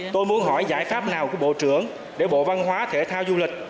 tôi muốn hỏi giải pháp nào của bộ trưởng để bộ văn hóa thể thao du lịch